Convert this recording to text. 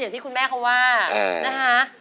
อย่างที่คุณแม่เขาว่านะฮะ